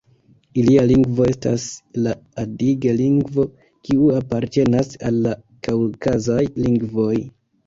Ilia lingvo estas la adige-lingvo, kiu apartenas al la kaŭkazaj lingvoj.